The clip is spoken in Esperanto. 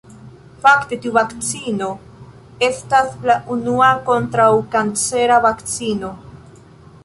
Fakte, tiu vakcino estas la unua kontraŭkancera vakcino.